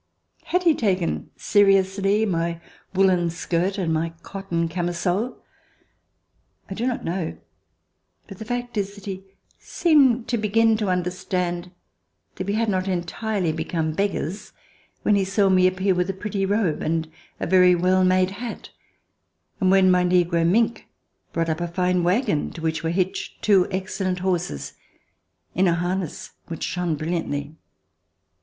Had he taken seriously my woolen skirt and my cotton camisole? I do not know, but the fact is that he seemed to begin to understand that we had not entirely become beggars, when he saw me appear with a pretty robe and a very well made hat, and when my negro, Minck, brought up a fine wagon to which were hitched two excellent horses in a harness which shone brilliantly.